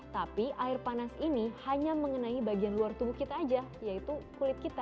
tapi air panas ini hanya mengenai bagian luar tubuh kita aja yaitu kulit kita